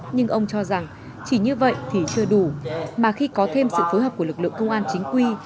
nhưng ông cho rằng chỉ như vậy thì chưa đủ mà khi có thêm sự phối hợp của lực lượng công an chính quy